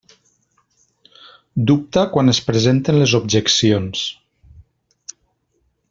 Dubta quan es presenten les objeccions.